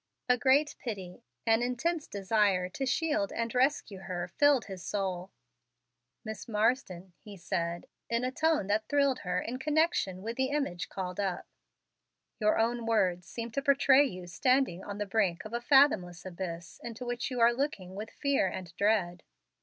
A great pity an intense desire to shield and rescue her filled his soul. "Miss Marsden," he said, in a tone that thrilled her in connection with the image called up, "your own words seem to portray you standing on the brink of a fathomless abyss into which you are looking with fear and dread."